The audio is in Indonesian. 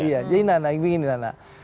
iya jadi nana begini nana